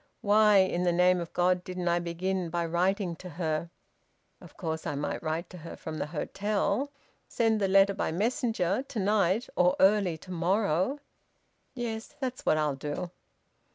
Why in the name of God didn't I begin by writing to her? ... Of course I might write to her from the hotel ... send the letter by messenger, to night ... or early to morrow. Yes, that's what I'll do."